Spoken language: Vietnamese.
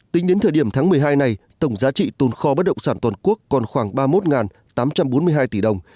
tính đến thời điểm tháng một mươi hai này tổng giá trị tồn kho bất động sản toàn quốc còn khoảng ba mươi một tám trăm bốn mươi hai tỷ đồng